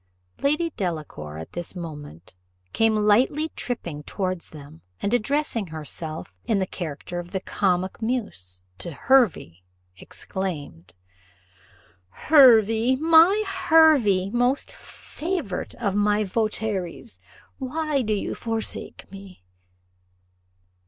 Lady Delacour, at this moment, came lightly tripping towards them, and addressing herself, in the character of the comic muse, to Hervey, exclaimed, "Hervey! my Hervey! most favoured of my votaries, why do you forsake me?